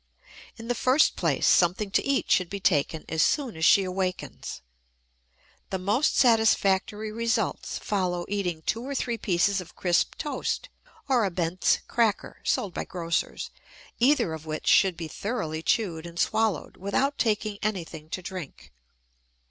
In the first place something to eat should be taken as soon as she awakens. The most satisfactory results follow eating two or three pieces of crisp toast or a Bent's cracker (sold by grocers), either of which should be thoroughly chewed and swallowed without taking anything to drink.